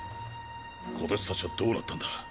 虎徹たちはどうなったんだ？